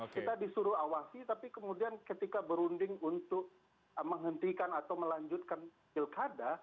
kita disuruh awasi tapi kemudian ketika berunding untuk menghentikan atau melanjutkan pilkada